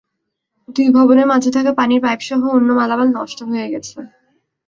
দুই ভবনের মাঝে থাকা পানির পাইপসহ অন্য মালামাল নষ্ট হয়ে গেছে।